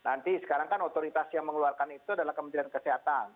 nanti sekarang kan otoritas yang mengeluarkan itu adalah kementerian kesehatan